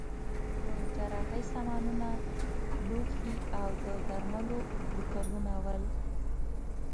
د جراحۍ سامانونه، لوښي او د درملو بوتلونه ول.